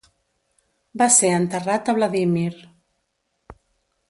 Va ser enterrat a Vladímir.